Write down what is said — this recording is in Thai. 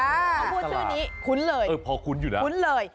สลากพอคุ้นอยู่นะคุ้นเลย